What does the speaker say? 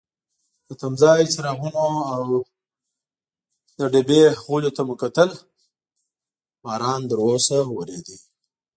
د تمځای څراغونو او د ډبې غولي ته مو کتل، باران تراوسه وریده.